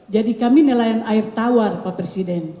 jadi kami nelayan air tawar pak presiden